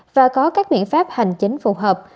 và có các biện pháp hành chính phù hợp